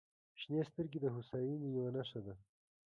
• شنې سترګې د هوساینې یوه نښه ده.